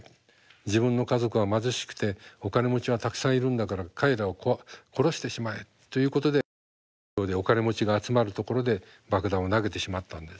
自分の家族は貧しくてお金持ちはたくさんいるんだから彼らを殺してしまえ」ということでリセオでお金持ちが集まるところで爆弾を投げてしまったんです。